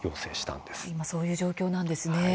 今、そういう状況なんですね。